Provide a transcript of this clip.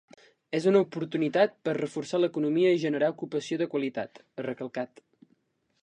És una oportunitat per reforçar l’economia i generar ocupació de qualitat, ha recalcat.